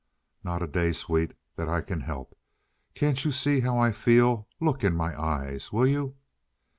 "Not a day, sweet, that I can help. Can't you see how I feel? Look in my eyes. Will you?"